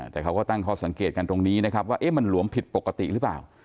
แต่เขาก็ตั้งข้อสังเกตกันตรงนี้นะครับว่ามันหลวมผิดปกติหรือเปล่า